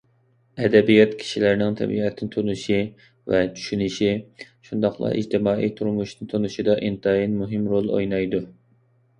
ئەدەبىيات كىشىلەرنىڭ تەبىئەتنى تونۇشى ۋە چۈشىنىشى، شۇنداقلا ئىجتىمائىي تۇرمۇشنى تونۇشىدا ئىنتايىن مۇھىم رول ئوينايدۇ.